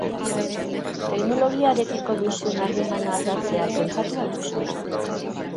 Teknologiarekiko duzuen harremana aldatzea pentsatu al duzue?